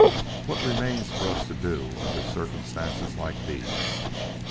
What remains for us to do under circumstances like these?